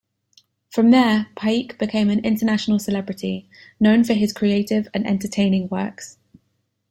From there, Paik became an international celebrity, known for his creative and entertaining works.